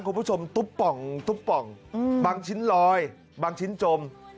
คุณผู้ชมตุ๊บป่องบางชิ้นลอยบางชิ้นจม